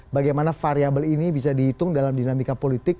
bagaimana variabel ini bisa dihitung dalam dinamika politik